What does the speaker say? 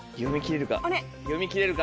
読み切れるか？